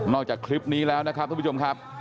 จากคลิปนี้แล้วนะครับทุกผู้ชมครับ